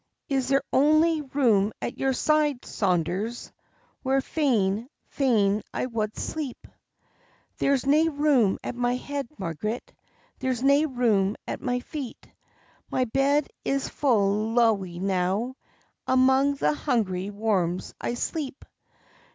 Is there ony room at your side, Saunders, Where fain, fain I wad sleep?" "There's nae room at my head, Marg'ret, There's nae room at my feet; My bed it is full lowly now, Amang the hungry worms I sleep.